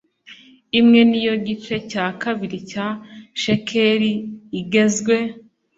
imwe ni yo gice cya kabiri cya shekeli igezwe